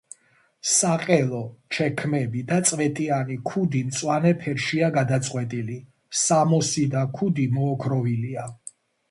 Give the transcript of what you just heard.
საყელო, ჩექმები და წვეტიანი ქუდი მწვანე ფერშია გადაწყვეტილი; სამოსი და ქუდი მოოქროვილია.